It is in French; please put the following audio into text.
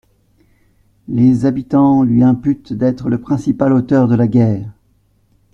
Les habitans lui imputent d'être le principal auteur de la guerre.